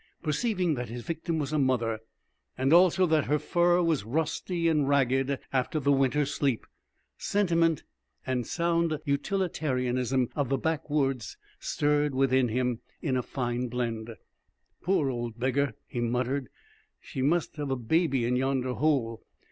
Perceiving that his victim was a mother, and also that her fur was rusty and ragged after, the winter's sleep, sentiment and the sound utilitarianism of the backwoods stirred within him in a fine blend. "Poor old beggar!" he muttered. "She must hev' a baby in yonder hole.